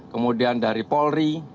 kemudian dari polri